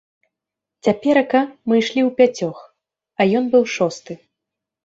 Цяперака мы ішлі ўпяцёх, а ён быў шосты.